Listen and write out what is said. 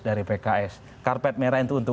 dari pks karpet merah itu untuk